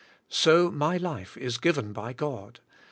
So my life is given b}^ God.